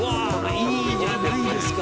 いいじゃないですか。